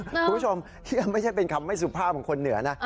คุณผู้ชมนี่ไม่ใช่เป็นคำไม่สุภาพของคนเหนือนะ